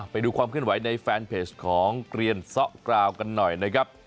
ไปดูความเคลื่อนไหวในแฟนเพจของเกลียนซะกราวกันหน่อยนะครับ